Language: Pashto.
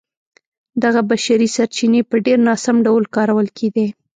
دغه بشري سرچینې په ډېر ناسم ډول کارول کېدې.